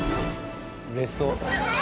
うれしそう。